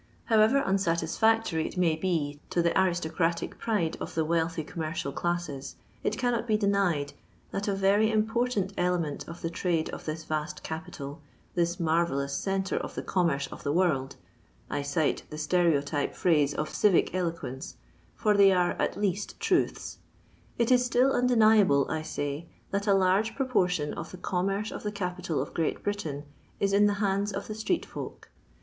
However unsatisfactory it may be to the aristo cratic pride of the wealthy commercial classes, it cannot be denied that a very important element of the trade of this vast capital — this marvellous centre of the commerce of the world — I cite the stereotype phrases of civic eloquence, for they are at least truths — it is still undeniable, I say, that a large proportion of the commerce of the capital of Great Britain is in the hands of the Street Folk.